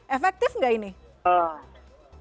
efektif nggak ini